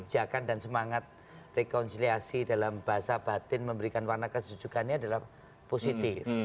jadi ajakan dan semangat rekonsiliasi dalam bahasa batin memberikan warna kesujukannya adalah positif